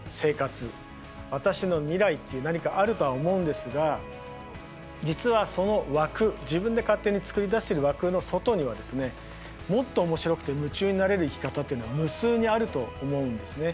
私の未来って何かあるとは思うんですが実はその枠自分で勝手に作り出してる枠の外にはですねもっと面白くて夢中になれる生き方っていうのは無数にあると思うんですね。